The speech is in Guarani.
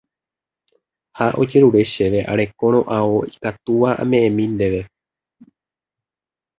ha ojerure chéve arekórõ ao ikatúva ame'ẽmi ndéve